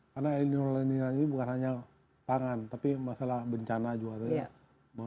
karena elinor dan lain lain ini bukan hanya pangan tapi masalah bencana juga